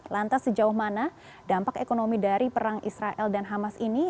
lantas sejauh mana dampak ekonomi dari perang israel dan hamas ini